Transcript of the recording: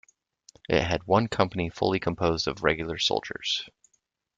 It had one company fully composed of regular soldiers.